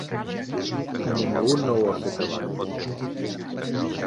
Ningú no ho ha fet abans.